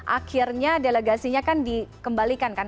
akhirnya delegasinya kan dikembalikan kan